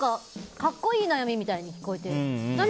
格好いい悩みみたいに聞こえて何？